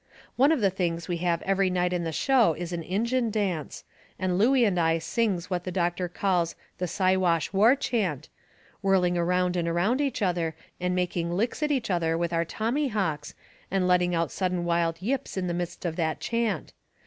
One of the things we have every night in the show is an Injun dance, and Looey and I sings what the doctor calls the Siwash war chant, whirling round and round each other, and making licks at each other with our tommyhawks, and letting out sudden wild yips in the midst of that chant.